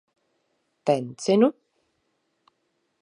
Tencinu.